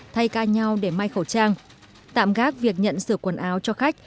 thay ca nhau để may khẩu trang tạm gác việc nhận sửa quần áo cho khách